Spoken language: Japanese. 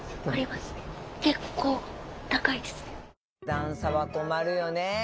段差は困るよね。